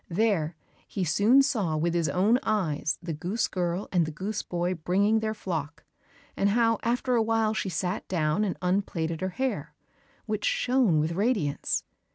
There he soon saw with his own eyes the goose girl and the goose boy bringing their flock, and how after a while she sat down and unplaited her hair, which shone with radiance.